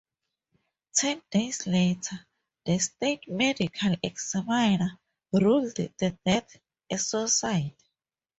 Ten days later, the state medical examiner ruled the death a suicide.